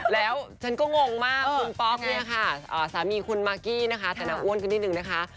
แล้วฉันก็งงมากคุณป๊อกเนี่ยค่ะสามีคุณมากกี้นะคะแต่นางอ้วนขึ้นนิดนึงนะคะ